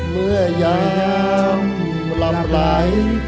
เมื่อยามลำไหล